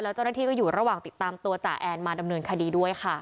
เจ้าหน้าที่ก็อยู่ระหว่างติดตามตัวจ่าแอนมาดำเนินคดีด้วยค่ะ